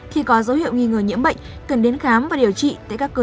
khi có dấu hiệu nghi ngờ nhiễm bệnh cần đến khám và điều trị tại các cơ sở y tế gần nhất